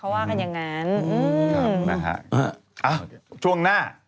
ดังดัง